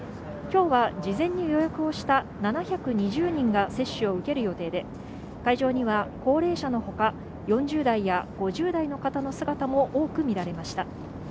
今日は事前に予約をした７２０人が接種を受ける予定で、会場には高齢者のほか、４０代や５０代の方の姿も多く見られました。